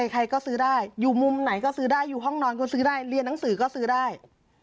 ใครก็ซื้อได้อยู่มุมไหนก็ซื้อได้อยู่ห้องนอนก็ซื้อได้เรียนหนังสือก็ซื้อได้